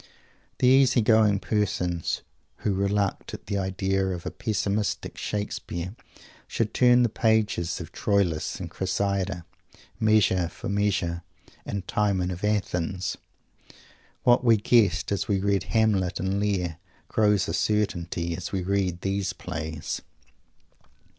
The easy going persons who reluct at the idea of a pessimistic Shakespeare should turn the pages of Troilus and Cressida, Measure for Measure, and Timon of Athens. What we guessed as we read Hamlet and Lear grows a certainty as we read these plays.